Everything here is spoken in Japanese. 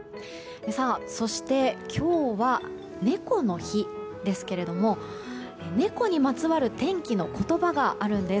そして、今日は猫の日ですけれども猫にまつわる天気の言葉があるんです。